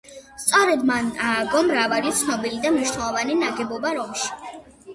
სწორედ მან ააგო მრავალი ცნობილი და მნიშვნელოვანი ნაგებობა რომში.